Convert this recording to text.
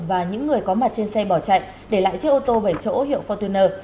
và những người có mặt trên xe bỏ chạy để lại chiếc ô tô bảy chỗ hiệu fortuner